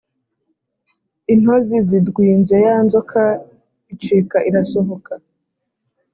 intozi zidwinze ya nzoka, icika irasohoka